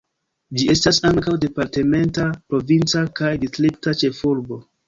Ĝi estas ankaŭ departementa, provinca kaj distrikta ĉefurbo.